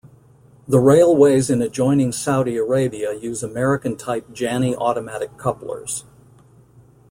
The railways in adjoining Saudi Arabia use American type Janney automatic couplers.